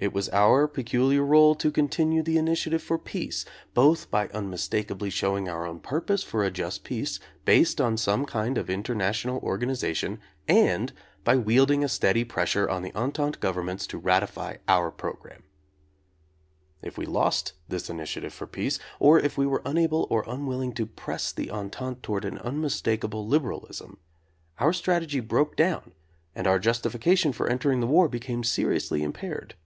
It was our peculiar role to continue the initiative for peace, both by unmistakably showing our own purpose for a just peace based on some kind of inter national organization and by wielding a steady pressure on the Entente governments to ratify our programme. If we lost this initiative for peace, or if we were unable or unwilling to press the Entente toward an unmistakable liberalism, our strategy broke down and our justification for en tering the war became seriously impaired.